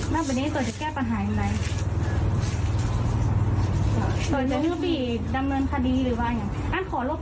แล้วตอนนี้ตัวจะแก้ปัญหาอย่างไร